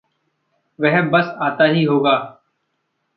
वह बस आता ही होगा।